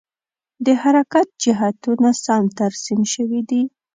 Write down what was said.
د حرکت جهتونه سم ترسیم شوي دي؟